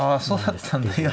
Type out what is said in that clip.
そうだったんだ。